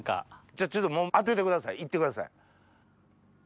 じゃあ当ててくださいいってください。